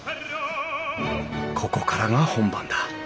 ここからが本番だ。